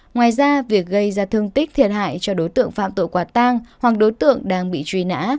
ngoài ra việc gây ra thương tích thiệt hại cho đối tượng phạm tội quả tang hoặc đối tượng đang bị truy nã